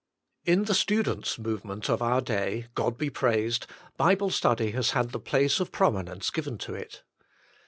In the Students' Movement of our day, God be praised^ 96 The Bible Student 97 Bible study has had the place of prominence given to it.